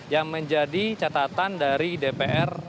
yang menjadi catatan dari dpr